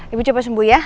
ibu coba sembuh ya